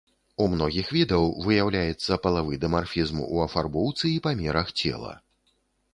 У многіх відаў выяўляецца палавы дымарфізм у афарбоўцы і памерах цела.